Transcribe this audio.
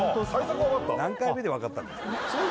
何回目で分かったんですか